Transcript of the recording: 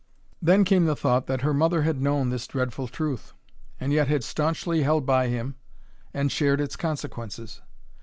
Then came the thought that her mother had known this dreadful truth, and yet had stanchly held by him and shared its consequences.